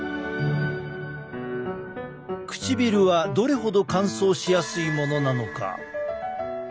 唇はどれほど乾燥しやすいものなのか？